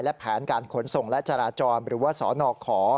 และแผนการขนส่งและจราจรหรือว่าสนขอ